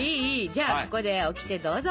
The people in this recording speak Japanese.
じゃあここでオキテどうぞ！